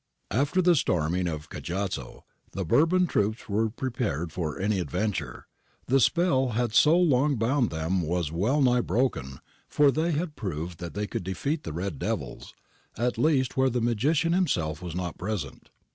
^ After the storming of Cajazzo, the Bourbon troops were prepared for any adventure ; the spell that had so long bound them was wellnigh broken, for they had proved that they could defeat the red devils, at least where the magician himself was not present.